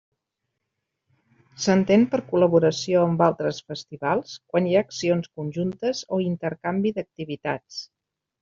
S'entén per col·laboració amb altres festivals quan hi ha accions conjuntes o intercanvi d'activitats.